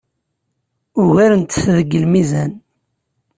Ugarent-t deg lmizan.